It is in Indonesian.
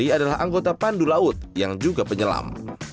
dan juga adalah anggota pandu laut yang juga penyelam